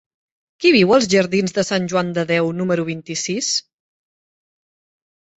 Qui viu als jardins de Sant Joan de Déu número vint-i-sis?